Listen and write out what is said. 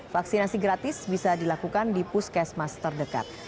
vaksinasi gratis bisa dilakukan di puskesmas terdekat